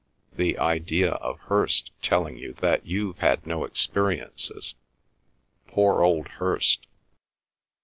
... The idea of Hirst telling you that you've had no experiences! Poor old Hirst!"